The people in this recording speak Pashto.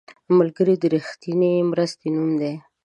ملګری د رښتینې مرستې نوم دی